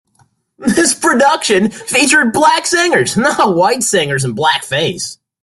This production featured black singers, not white singers in blackface.